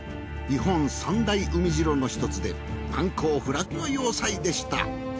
日本三大海城の１つで難攻不落の要塞でした。